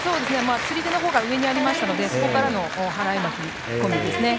釣り手のほうが上にありましたのでそこからの払い巻き込みですね。